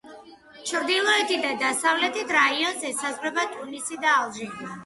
ჩრდილოეთით და დასავლეთით რაიონს ესაზღვრება ტუნისი და ალჟირი.